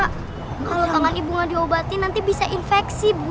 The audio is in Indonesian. kalau tangan ibu gak diobatin nanti bisa infeksi bu